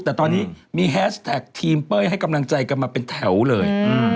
แต่ตอนนี้มีแฮชแท็กทีมเป้ยให้กำลังใจกันมาเป็นแถวเลย